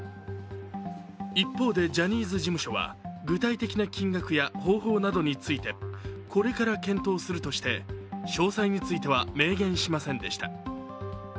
一方でジャニーズ事務所は具体的な金額や方法などについて、これから検討するとして詳細については明言しませんでした。